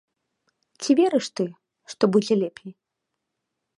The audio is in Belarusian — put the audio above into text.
Ці верыш ты, што будзе лепей?